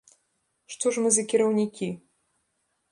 Што ж мы за кіраўнікі?